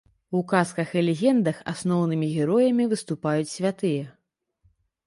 У казках і легендах асноўнымі героямі выступаюць святыя.